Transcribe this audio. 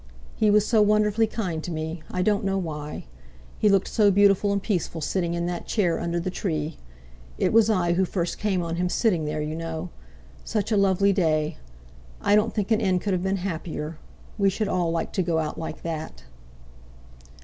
"He was so wonderfully kind to me; I don't know why. He looked so beautiful and peaceful sitting in that chair under the tree; it was I who first came on him sitting there, you know. Such a lovely day. I don't think an end could have been happier. We should all like to go out like that."